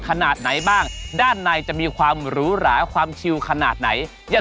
ขนาดไหนบ้างด้านในจะมีความหรูหราความชิวขนาดไหน